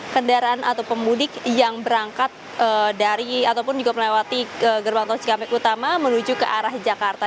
kendaraan atau pemudik yang berangkat dari ataupun juga melewati gerbang tol cikampek utama menuju ke arah jakarta